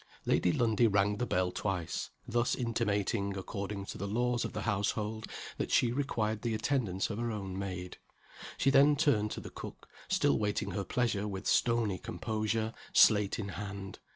Lady Lundie rang the bell twice thus intimating, according to the laws of the household, that she required the attendance of her own maid. She then turned to the cook still waiting her pleasure, with stony composure, slate in hand.